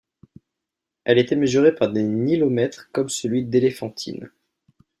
Elle était mesurée par des nilomètres comme celui d'Éléphantine.